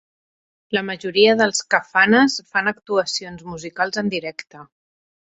La majoria dels kafanas fan actuacions musicals en directe.